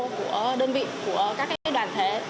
của đơn vị của các đoàn thể